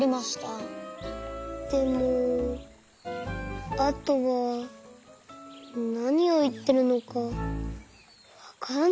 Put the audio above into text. でもあとはなにをいってるのかわからなかった。